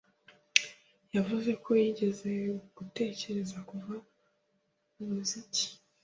Yavuze ko yigeze gutekereza kuva mu muziki